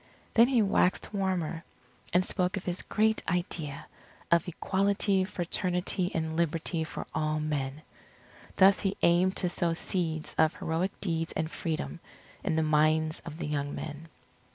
Then he waxed warmer, and spoke of his great idea of Equality, Fraternity, and Liberty for all men. Thus he aimed to sow seeds of heroic deeds and Freedom, in the minds of the young men.